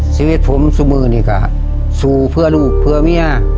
ชีวิตผมเสมอนี่ก็สู้เพื่อลูกเพื่อเมีย